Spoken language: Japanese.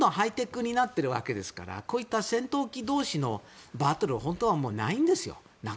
どんどんハイテクになっていくわけですからこういった戦闘機同士のバトル本当はないんです。